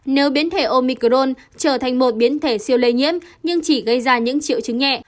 nếu biến thể omicron trở thành một biến thể siêu lây nhiễm nhưng chỉ gây ra những triệu chứng nhẹ